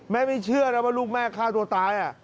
ไม่เชื่อนะว่าลูกแม่ฆ่าตัวตาย